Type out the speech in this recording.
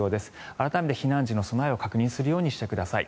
改めて避難時の備えを確認するようにしてください。